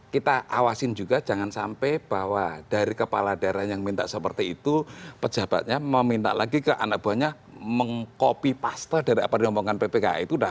kita awasin juga jangan sampai bahwa dari kepala daerah yang minta seperti itu pejabatnya meminta lagi ke anak buahnya mengkopi pasta dari apa diomongkan ppki